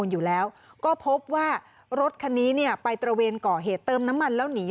อยู่แล้วก็พบว่ารถคันนี้เนี่ยไปตระเวนก่อเหตุเติมน้ำมันแล้วหนี